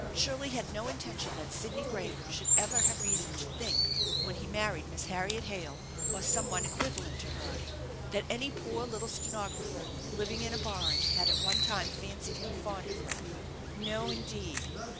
Shirley had no intention that Sidney Graham should ever have reason to think, when he married Miss Harriet Hale or some one equivalent to her, that any poor little stenographer living in a barn had at one time fancied him fond of her. No, indeed